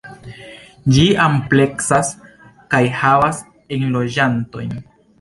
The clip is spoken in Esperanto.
Ĝi ampleksas kaj havas enloĝantojn.